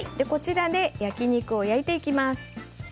ここで焼き肉を焼いていきます。